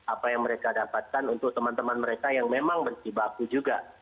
apa yang mereka dapatkan untuk teman teman mereka yang memang berjibaku juga